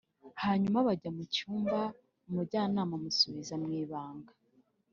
hanyuma bajya mu cyumba umujyanama amusubiza mw’ibanga.